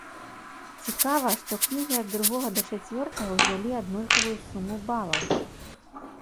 Цікава, што кнігі ад другога да чацвёртага ўзялі аднолькавую суму балаў.